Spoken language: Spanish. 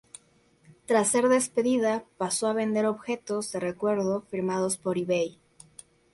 Tras ser despedida, pasó a vender objetos de recuerdo firmados por eBay.